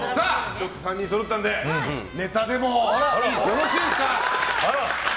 ３人そろったんでネタでもよろしいですか。